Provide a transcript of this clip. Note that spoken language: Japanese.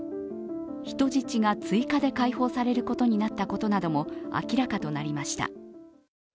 人質が追加で解放されることになったことなども明らかとなりました。